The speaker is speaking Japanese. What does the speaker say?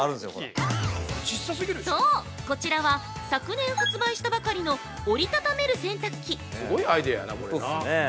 ◆そう、こちらは昨年発売したばかりの「折りたためる洗濯機！」